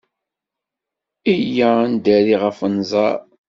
Iyya ad neddari ɣef unẓar.